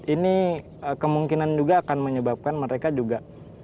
ini kemungkinan juga akan menyebabkan mereka juga